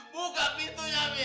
buka pintunya mi